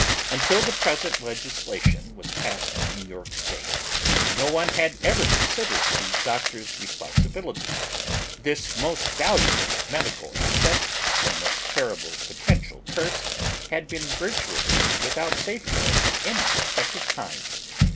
Until the present legislation was passed in New York State, no one had ever considered the doctor's responsibility; this most valuable medical asset and most terrible potential curse had been virtually without safeguard of any effective kind.